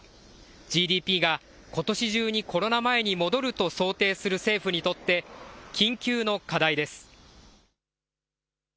ＧＤＰがことし中にコロナ前に戻ると想定する政府にとって緊急の課題です。